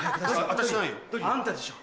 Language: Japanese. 私ないよ。あんたでしょ。